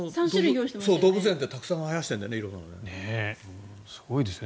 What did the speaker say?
動物園って、色んなのたくさんはやしてるんだよね。